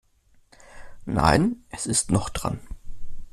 Nein, es ist noch dran.